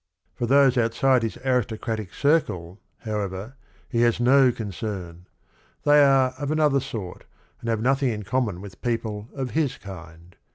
For those outside his aristocratic circle, however, he has no concern. They are of another sort and have nothing in common with people of his kind.